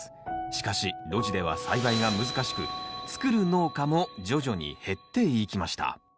しかし露地では栽培が難しく作る農家も徐々に減っていきました。